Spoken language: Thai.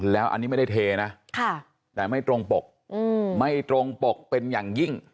แล้วอันนี้ไม่ได้เทนะแต่ไม่ตรงปกไม่ตรงปกเป็นอย่างยิ่ง